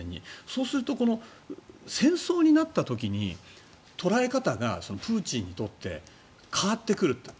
そうすると戦争になった時に捉え方がプーチンにとって変わってくる。